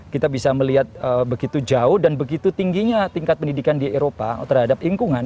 kita bisa melihat begitu jauh dan begitu tingginya tingkat pendidikan di eropa terhadap lingkungan